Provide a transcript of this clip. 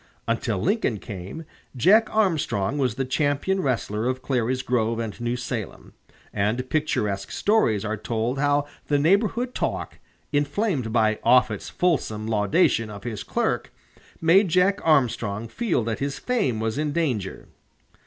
Until Lincoln came, Jack Armstrong was the champion wrestler of Clary's Grove and New Salem, and picturesque stories are told how the neighborhood talk, inflamed by Offutt's fulsome laudation of his clerk, made Jack Armstrong feel that his fame was in danger.